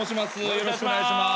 よろしくお願いします。